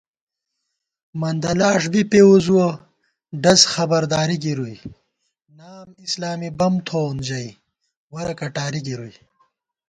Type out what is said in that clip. مندَہ لاݭ بی پېوُزُوَہ ڈز خبرداری گِرُوئی * نام اسلامی بم تھووون ژَئی ورہ کٹاری گِروئی